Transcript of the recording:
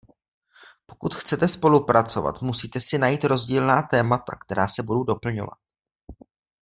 Pokud chcete spolupracovat, musíte si najít rozdílná témata, která se budou doplňovat.